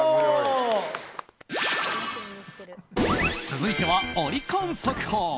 続いてはオリコン速報。